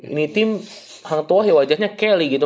ini tim hang tuah ya wajahnya kelly gitu